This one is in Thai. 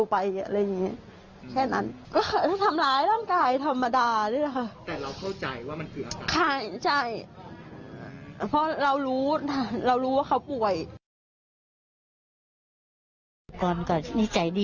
เพราะเรารู้เรารู้ว่าเขาป่วย